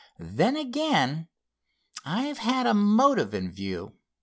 "Then again, I've had a motive in view.